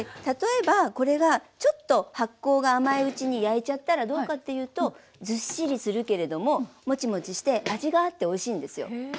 例えばこれがちょっと発酵が甘いうちに焼いちゃったらどうかっていうとずっしりするけれどもモチモチして味があっておいしいんですよ。